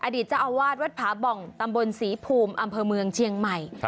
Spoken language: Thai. อดีตเจ้าอาวาสวัดผาบ่องตำบลศรีภูมิอำเภอเมืองเชียงใหม่